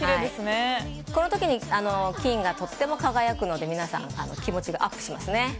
この時に金がとても輝くので皆さん、気持ちがアップしますね。